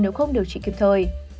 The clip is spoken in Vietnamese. nếu không điều trị kịp thời